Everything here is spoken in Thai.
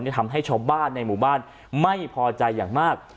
ทำให้ชาวบ้านในหมู่บ้านไม่พอใจอย่างมาก